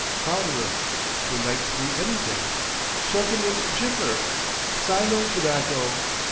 Powder 'em. They might be anything. Soak 'em in jipper,—Xylo tobacco!